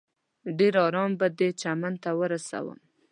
ډېر ارام به دې چمن ته ورسوم.